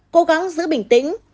cố gắng giữ bình tĩnh